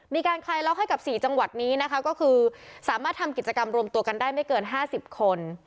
คลายล็อกให้กับ๔จังหวัดนี้นะคะก็คือสามารถทำกิจกรรมรวมตัวกันได้ไม่เกิน๕๐คน